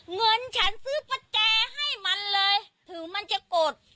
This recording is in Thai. เงินฉันซื้อประแจให้มันเลยถึงมันจะโกรธ